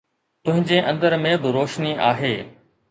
تنهنجي اندر ۾ به روشني آهي.